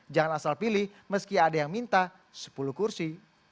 jangan asal pilih meski ada yang minta sepuluh kursi